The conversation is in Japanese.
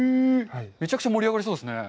めちゃくちゃ盛り上がりそうですね。